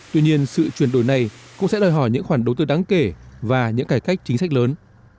tuy nhiên sự chuyển đổi này cũng sẽ đòi hỏi những khoản đầu tư đáng kể và những cải cách chính sách lớn